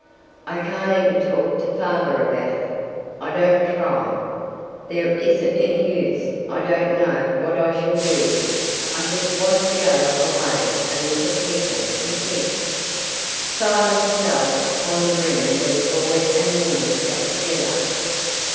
"I can't even talk to father about it. I don't try. There isn't any use. I don't know what I shall do. I just want to go away and look at people and think." Silence fell upon the room where the boy and woman sat together.